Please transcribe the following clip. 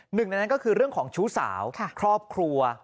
หนึ่งในนั้นก็คือเรื่องของชู้สาวครอบครัว